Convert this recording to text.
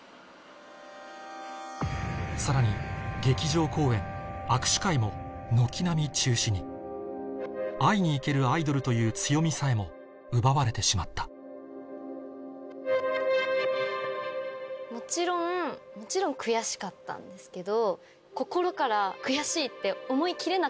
さらに「会いに行けるアイドル」という強みさえも奪われてしまったもちろんもちろん悔しかったんですけど。